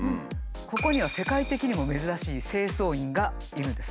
ここには世界的にも珍しい清掃員がいるんです。